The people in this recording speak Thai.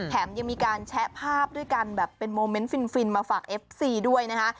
ยังมีการแชะภาพด้วยกันแบบเป็นโมเมนต์ฟินมาฝากเอฟซีด้วยนะคะ